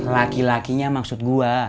laki lakinya maksud gue